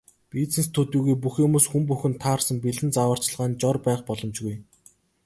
Бизнес төдийгүй бүх юмс, хүн бүхэнд таарсан бэлэн зааварчилгаа, жор байх боломжгүй.